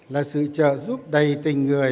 là sự trợ giúp đầy tình người